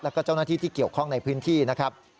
แล้วก็เจ้าหน้าที่ที่เกี่ยวข้องในพื้นที่นะครับ